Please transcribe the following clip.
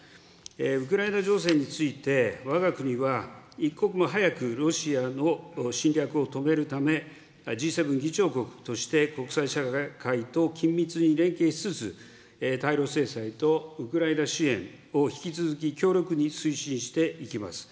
ウクライナ情勢について、わが国は一刻も早く、ロシアの侵略を止めるため、Ｇ７議長国として、国際社会と緊密に連携しつつ、対ロ制裁とウクライナ支援を、引き続き強力に推進していきます。